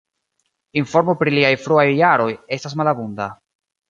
Informo pri liaj fruaj jaroj estas malabunda.